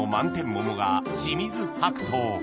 桃が清水白桃